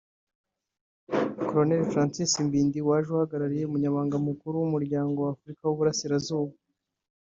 Col Francis Mbindi waje ahagarariye Umunyamabanga mukuru w’Umuryango wa Afurika y’Uburasirazuba